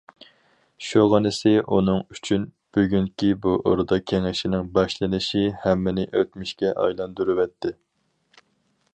شۇغىنىسى ئۇنىڭ ئۈچۈن بۈگۈنكى بۇ ئوردا كېڭىشىنىڭ باشلىنىشى ھەممىنى ئۆتمۈشكە ئايلاندۇرۇۋەتتى.